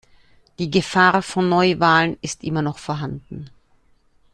Die Gefahr von Neuwahlen ist immer noch vorhanden.